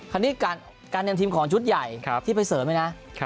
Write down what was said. อันนี้การเตรียมทีมของชุดใหญ่ที่ไปเสริมเลยนะ